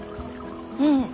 うん。